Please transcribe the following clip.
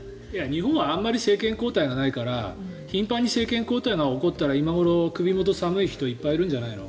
日本はあまり政権交代がないから頻繁に政権交代が起こったら今ごろ首元が寒い人はいっぱいいるんじゃないの。